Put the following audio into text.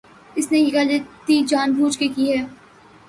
اس نے یہ غلطی جان بوجھ کے کی ہے۔